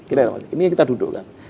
ini kita duduk kan